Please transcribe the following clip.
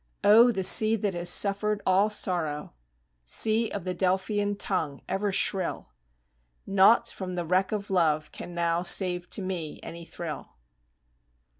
O the sea that has suffered all sorrow! (Sea of the Delphian tongue ever shrill!) Nought from the wreck of love can now save to me Any thrill!